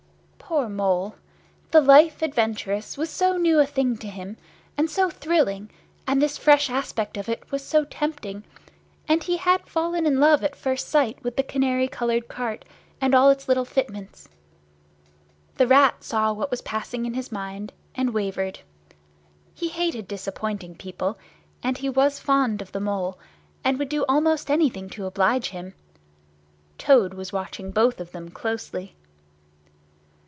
Poor Mole! The Life Adventurous was so new a thing to him, and so thrilling; and this fresh aspect of it was so tempting; and he had fallen in love at first sight with the canary coloured cart and all its little fitments. The Rat saw what was passing in his mind, and wavered. He hated disappointing people, and he was fond of the Mole, and would do almost anything to oblige him. Toad was watching both of them closely.